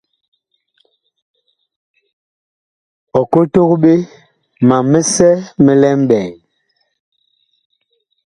Ɔ kotog ɓe ma misɛ mi lɛ mɓɛɛŋ.